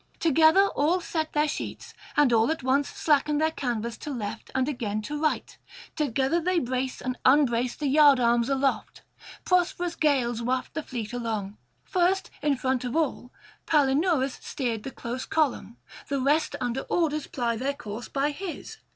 Together all set their sheets, and all at once slacken their canvas to left and again to right; together they brace and unbrace the yard arms aloft; prosperous gales waft the fleet along. First, in front of all, Palinurus steered the close column; the rest under orders ply their course by his.